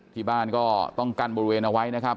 ที่บ้านก็ต้องกั้นบริเวณเอาไว้นะครับ